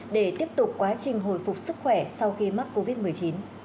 để tiếp tục quá trình hồi phục sức khỏe sau khi mắc covid một mươi chín